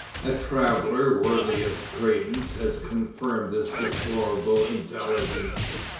A traveler, worthy of credence, has confirmed this deplorable intelligence.